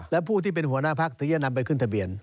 และผู้ที่เป็นหัวหน้าพักถึงจะนำไปขึ้นทะเบียน